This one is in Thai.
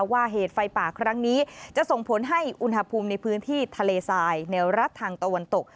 เหตุไฟป่าครั้งนี้จะส่งผลให้อุณหภูมิในพื้นที่ทะเลทรายแนวรัฐทางตะวันตก